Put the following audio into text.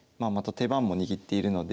手番も握っているので